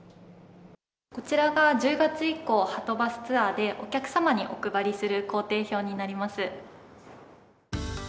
こちらが１０月以降、はとバスツアーでお客様にお配りする行程表になります。